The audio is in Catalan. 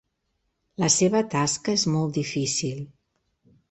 La seva tasca és molt difícil.